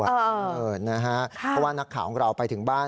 เออเออนะฮะค่ะเพราะว่านักข่าวของเราไปถึงบ้าน